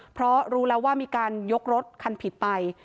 เพราะรู้แล้วว่ามีการยกรถคันผิดไป